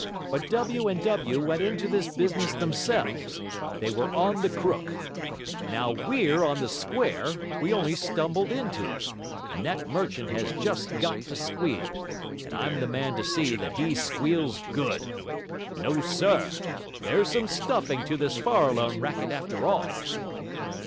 But W. and W. went into this business themselves, they were on the crook. Now WE'RE on the square, we only stumbled into it; and that merchant has just got to squeal, and I'm the man to see that he squeals good. No, sir! there's some stuffing to this Farallone racket after all.'